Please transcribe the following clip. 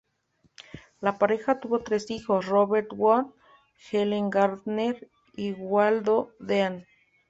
La pareja tuvo tres hijos: Robert Wood, Helen Gardner y Waldo Dean.